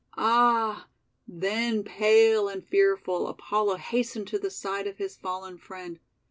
Ah! then, pale and fearful, Apollo hastened to the side of his fallen friend.